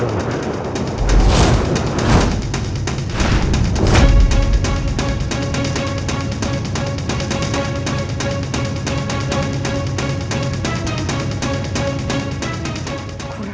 kamulah yang pertama serangan